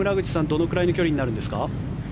どのくらいの距離になるんですか。